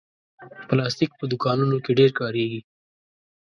پلاستيک په دوکانونو کې ډېر کارېږي.